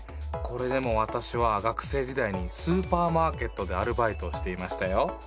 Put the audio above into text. これでも私は学生時代にスーパーマーケットでアルバイトをしていましたよ。